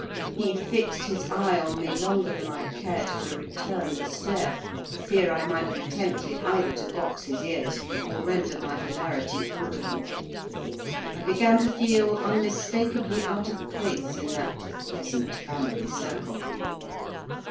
He fixed his eye on me longer than I cared to return the stare, for fear I might be tempted either to box his ears or render my hilarity audible. I began to feel unmistakably out of place in that pleasant family circle.